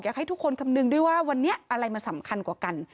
ให้ทุกคนคำนึงด้วยว่าวันนี้อะไรมันสำคัญกว่ากัน